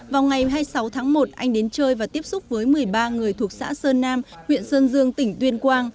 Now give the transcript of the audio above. vào ngày hai mươi sáu tháng một anh đến chơi và tiếp xúc với một mươi ba người thuộc xã sơn nam huyện sơn dương tỉnh tuyên quang